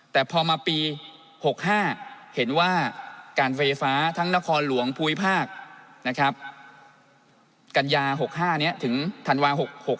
แต่พอมาปี๖๕เห็นว่าการไฟฟ้าทั้งนครหลวงภูมิภาคกัญญา๖๕นี้ถึงธันวา๖๖